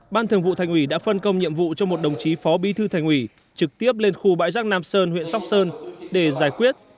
ban thường vụ thành ủy đã phân công nhiệm vụ cho một đồng chí phó bí thư thành ủy trực tiếp lên khu bãi rác nam sơn huyện sóc sơn để giải quyết